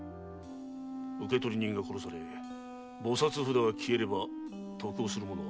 受取人が殺され菩薩札が消えれば得をする者は明らかだ。